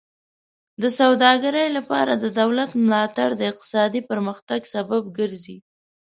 د سوداګرۍ لپاره د دولت ملاتړ د اقتصادي پرمختګ سبب ګرځي.